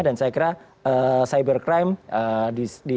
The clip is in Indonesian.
dan saya kira cyber crime di